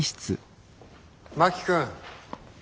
真木君